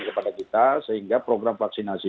kepada kita sehingga program vaksinasi